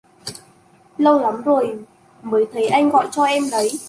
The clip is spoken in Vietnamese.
Lâu lắm rồi mới thấy anh gọi cho em đấy